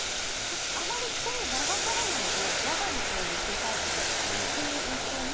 何かあまり人に流されないで我が道を行くタイプっていう印象もありますね。